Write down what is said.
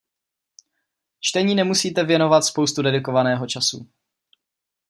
Čtení nemusíte věnovat spoustu dedikovaného času.